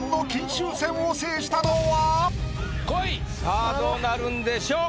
さぁどうなるんでしょう？